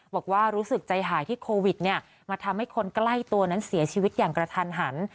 บอกว่ารู้สึกใจหายที่โควิดมาทำให้คนใกล้ตัวนั้นเสียชีวิตอย่างกระทันหัน